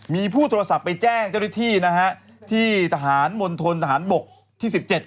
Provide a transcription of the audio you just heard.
มีผู้โทรศัพท์ไปแจ้งเจ้าหน้าที่นะฮะที่ทหารมณฑนทหารบกที่๑๗